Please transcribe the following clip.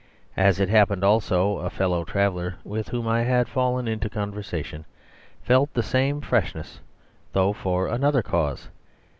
As it happened, also, a fellow traveller with whom I had fallen into conversation felt the same freshness, though for another cause.